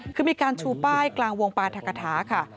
คือมีการชูป้ายกลางวงปราธกฐาค่ะ